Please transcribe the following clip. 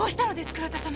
倉田様！